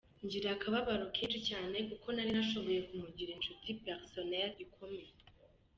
Ngira akababaro kenshi cyane kuko nari nashoboye kumugira inshuti personnel ikomeye.